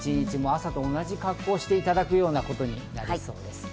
朝と同じ格好をしていただくようなことになります。